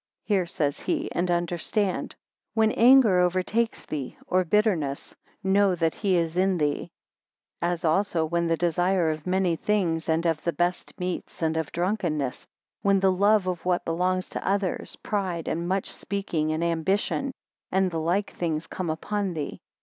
Hear, says he, and understand; When anger overtakes thee, or bitterness, know that he is in thee: 13 As also, when the desire of many things, and of the best meats, and of drunkenness; when the love of what belongs to others, pride, and much speaking, and ambition; and the like things, come upon thee.